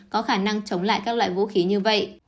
có khả năng chống lại các loại vũ khí như vậy